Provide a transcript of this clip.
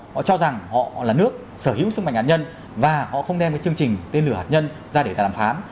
họ cho rằng họ là nước sở hữu sức mạnh hạt nhân và họ không đem cái chương trình tên lửa hạt nhân ra để đàm phán